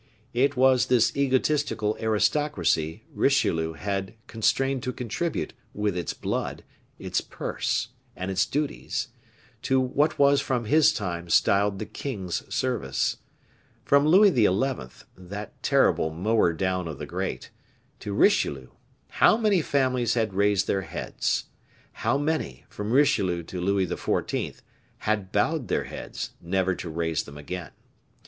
It was this egotistical aristocracy Richelieu had constrained to contribute, with its blood, its purse, and its duties, to what was from his time styled the king's service. From Louis XI. that terrible mower down of the great to Richelieu, how many families had raised their heads! How many, from Richelieu to Louis XIV., had bowed their heads, never to raise them again!